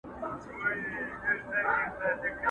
o چي غاښونه وه نينې نه وې، اوس چي نينې سته غاښونه نسته!